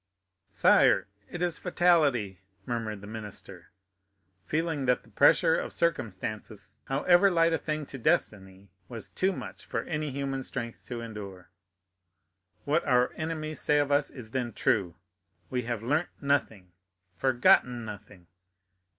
"Sire, it is fatality!" murmured the minister, feeling that the pressure of circumstances, however light a thing to destiny, was too much for any human strength to endure. "What our enemies say of us is then true. We have learnt nothing, forgotten nothing!